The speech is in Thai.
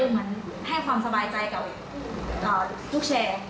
เหมือนให้ความสบายใจกับลูกแชร์